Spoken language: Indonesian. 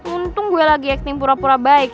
untung gue lagi acting pura pura baik